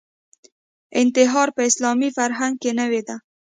انتحار په اسلامي فرهنګ کې نوې ده